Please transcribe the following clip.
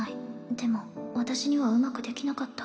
でも私にはうまくできなかった